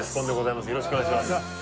よろしくお願いします